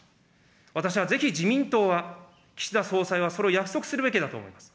私はぜひ、自民党は、岸田総裁はそれを約束するべきだと思います。